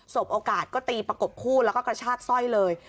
บโอกาสก็ตีประกบคู่แล้วก็กระชากสร้อยเลย